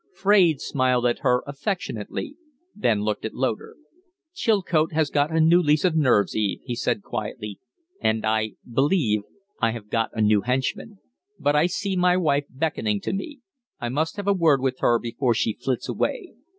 Fraide smiled at her affectionately; then looked at Loder. "Chilcote has got anew lease of nerves, Eve," he said, quietly. "And I believe I have got a new henchman. But I see my wife beckoning to me. I must have a word with her before she flits away.